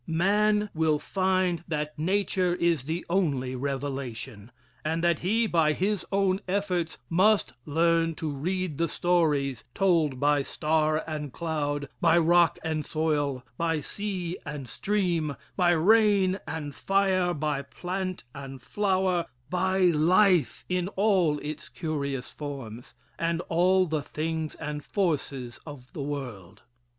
Man will find that Nature is the only revelation, and that he, by his own efforts, must learn to read the stories told by star and cloud, by rock and soil, by sea and stream, by rain and fire, by plant and flower, by life in all its curious forms, and all the things and forces of the world.